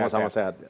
betul sama sama sehat